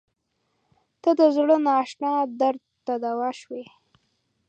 • ته د زړه نااشنا درد ته دوا شوې.